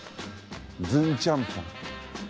ずんちゃんパン。